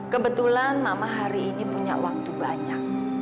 kebetulan mama hari ini punya waktu banyak